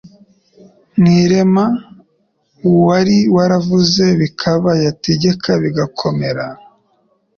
Mu irema, uwari waravuze bikaba, yategeka bigakomera,